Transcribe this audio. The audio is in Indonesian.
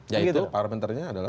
ya itu powerpanternya adalah